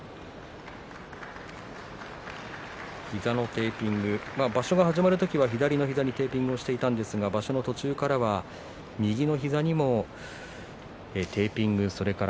膝のテーピング場所が始まる時は左の膝にテーピングをしていたんですが場所の途中からは右の膝にもテーピングがありました。